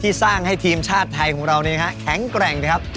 ที่สร้างให้ทีมชาติไทยของเราเนี่ยฮะแข็งแกร่งนะครับ